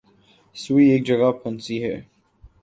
سوئی ایک جگہ پھنسی ہے۔